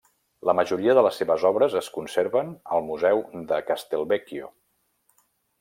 La majoria de les seves obres es conserven al Museu de Castelvecchio.